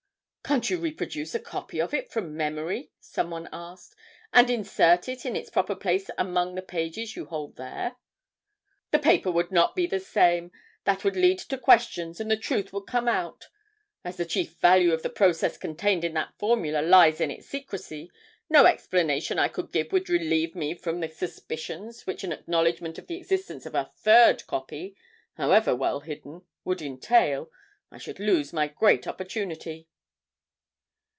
"Can't you reproduce a copy of it from memory?" some one asked; "and insert it in its proper place among the pages you hold there?" "The paper would not be the same. That would lead to questions and the truth would come out. As the chief value of the process contained in that formula lies in its secrecy, no explanation I could give would relieve me from the suspicions which an acknowledgment of the existence of a third copy, however well hidden, would entail. I should lose my great opportunity."